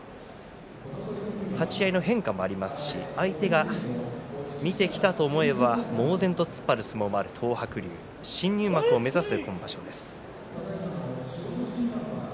立ち合いの変化もありますし相手が見てきたと思えば猛然と突っ張る相撲もある東白龍新入幕を目指す今場所です。